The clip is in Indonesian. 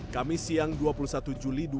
kamis siang dua puluh satu juli dua ribu dua puluh